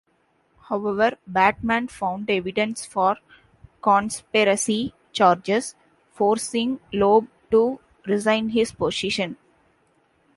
However, Batman found evidence for conspiracy charges, forcing Loeb to resign his position.